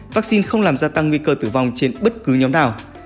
vaccine không làm gia tăng nguy cơ tử vong trên bất cứ nhóm nào